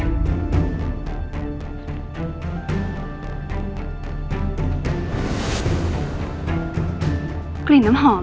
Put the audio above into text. เหมือนกลิ่นน้ำหอม